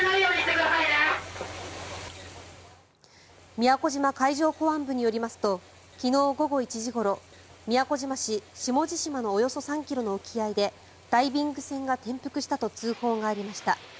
宮古島海上保安部によりますと昨日午後１時ごろ宮古島市下地島のおよそ３ｋｍの沖合でダイビング船が転覆したと通報がありました。